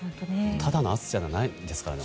ただの暑さじゃないですからね。